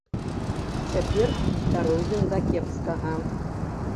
Цяпер пяройдзем да кепскага.